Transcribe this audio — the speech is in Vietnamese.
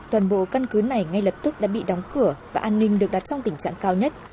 toàn bộ căn cứ này ngay lập tức đã bị đóng cửa và an ninh được đặt trong tình trạng cao nhất